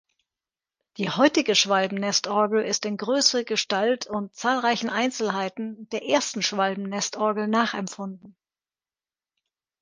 Die heutige Schwalbennestorgel ist in Grösse, Gestalt und zahlreichen Einzelheiten der ersten Schwalbennestorgel nachempfunden.